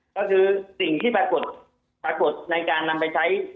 ก็คือยังที่แปลกษารในการนำไปใช้